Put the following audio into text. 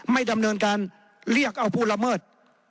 ไม่ดำเนินการเรียกเอาผู้ละเมิด